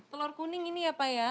telur kuning ini ya pak ya